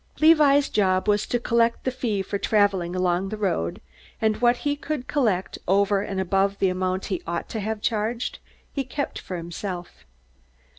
Levi's job was to collect the fee for traveling along the road, and what he could collect over and above the amount he ought to have charged, he kept for himself.